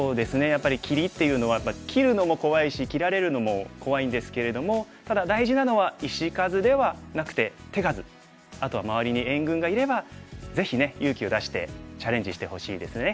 やっぱり切りっていうのは切るのも怖いし切られるのも怖いんですけれどもただ大事なのはあとは周りに援軍がいればぜひね勇気を出してチャレンジしてほしいですね。